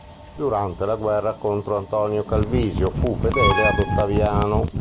Durante la guerra contro Antonio Calvisio fu fedele ad Ottaviano.